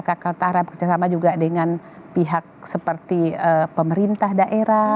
baik dari pkk altara kita bekerjasama juga dengan pihak seperti pemerintah daerah